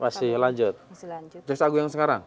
masih lanjut masih lanjut jaksa agung yang sekarang